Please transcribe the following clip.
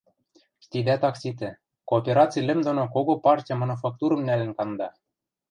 Тидӓт ак ситӹ: коопераци лӹм доно кого партьы мануфактурым нӓлӹн канда